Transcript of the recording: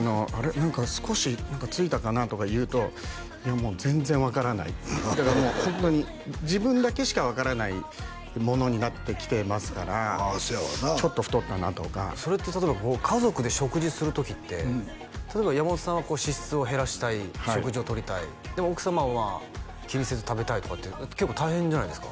何か少しついたかな？とか言うといやもう全然分からないってだからもうホントに自分だけしか分からないものになってきてますからああせやわなちょっと太ったなとかそれって例えば家族で食事する時って例えば山本さんは脂質を減らしたい食事を取りたいでも奥様は気にせず食べたいとかって結構大変じゃないですか？